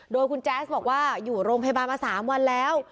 โดยคุณแจ๊สบอกว่าอยู่โรงพยาบาลมา๓วันแล้ว